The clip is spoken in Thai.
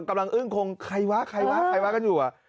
กำลังอึ้งคงใครวะใครวะใครวะกันอยู่อะ